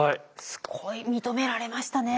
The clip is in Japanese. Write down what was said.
すごい認められましたね